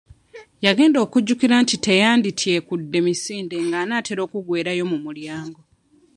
Yagenda okujjukira nti teyandityekudde misinde nga anaatera kuggwerayo mu mulyango.